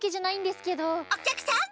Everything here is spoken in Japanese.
おきゃくさん！